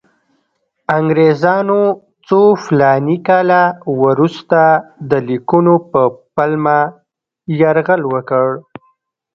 انګریزانو څو فلاني کاله وروسته د لیکونو په پلمه یرغل وکړ.